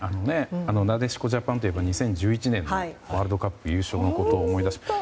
なでしこジャパンといえば２０１１年のワールドカップ優勝のことを思い出します。